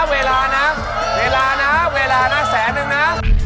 เวลานะเวลานะเวลานะแสนนึงนะ